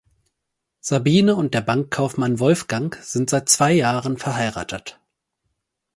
Sabine und der Bankkaufmann Wolfgang sind seit zwei Jahren verheiratet.